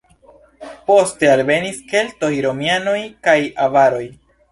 Poste alvenis keltoj, romianoj kaj avaroj.